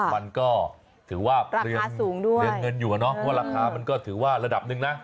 มันก็เตือนเงินเรียงเงินราคามันก็จะถือว่าระดับนึงนะ